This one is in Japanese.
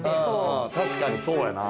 確かにそうやな。